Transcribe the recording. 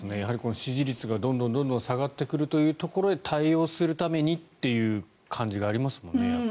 支持率がどんどん下がってくるというところへ対応するためにという感じがありますもんね。